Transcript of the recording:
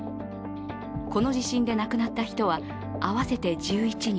この地震で亡くなった人は合わせて１１人。